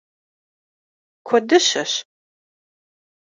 Куэдыщэщ!